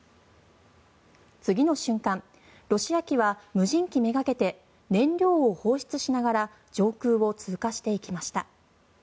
次の瞬間、ロシア機は無人機めがけて燃料を放出しながら上空を通過していきました。